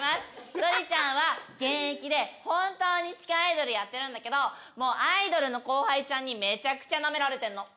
とりちゃんは現役で本当に地下アイドルやってるんだけどもうアイドルの後輩ちゃんにめちゃくちゃ舐められてんの。